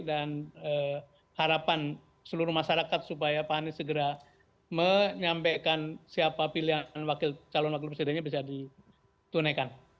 dan harapan seluruh masyarakat supaya pak hanis segera menyampaikan siapa pilihan calon wakil presidennya bisa ditunaikan